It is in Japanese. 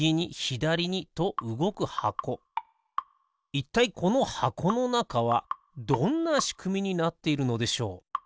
いったいこのはこのなかはどんなしくみになっているのでしょう？